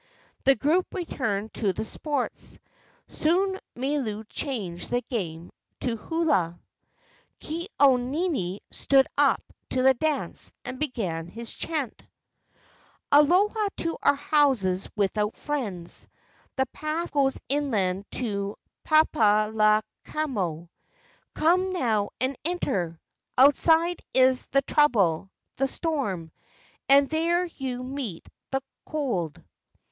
The group returned to the sports. Soon Milu changed the game to hula. Ke au nini stood up to dance and began his chant: * Thespesia populnea. KE A U NINI 217 "Aloha to our houses without friends. The path goes inland to Papalakamo; Come now and enter! Outside is the trouble, the storm, And there you meet the cold."